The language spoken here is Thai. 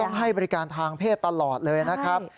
ให้บริการทางเพศตลอดเลยนะครับ